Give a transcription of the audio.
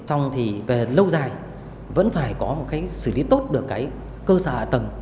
xong thì về lâu dài vẫn phải có một cách xử lý tốt được cái cơ sở hạ tầng